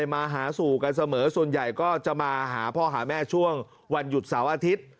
มาหาสู่กันเสมอส่วนใหญ่ก็จะมาหาพ่อหาแม่ช่วงวันหยุดเสาร์อาทิตย์